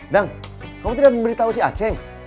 dang kamu tidak memberitahu si acing